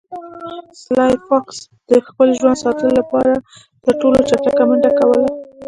سلای فاکس د خپل ژوند ساتلو لپاره تر ټولو چټکه منډه کوله